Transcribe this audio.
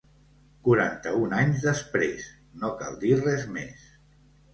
’quaranta-un anys després, no cal dir res més.